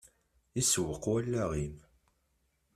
Isewweq wallaɣ-im.